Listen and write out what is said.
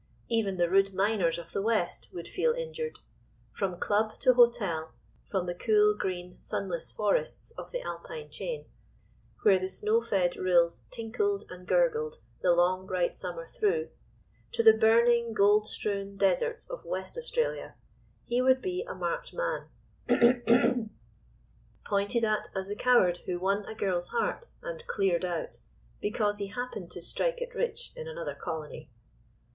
Even the rude miners of the West would feel injured. From club to hotel, from the cool green, sunless forests of the Alpine chain, where the snow fed rills tinkled and gurgled the long, bright summer through, to the burning, gold strewn deserts of West Australia, he would be a marked man, pointed at as the coward who won a girl's heart and "cleared out," because he happened to "strike it rich" in another colony.